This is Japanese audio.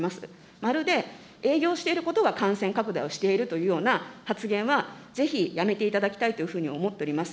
まるで営業していることが感染拡大をしているというような発言は、ぜひやめていただきたいというふうに思っております。